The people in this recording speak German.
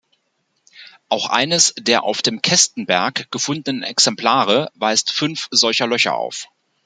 Auch eines der auf dem Kestenberg gefundenen Exemplare weist fünf solcher Löcher auf.